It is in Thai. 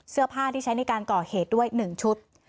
เสื้อผ้าที่ใช้ในการก่อเหตุด้วย๑ชุด